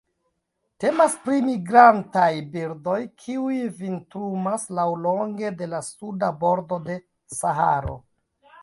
Temas pri migrantaj birdoj, kiuj vintrumas laŭlonge de la suda bordo de Saharo.